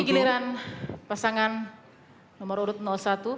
giliran pasangan nomor urut satu